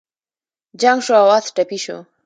جنګ شو او اس ټپي شو.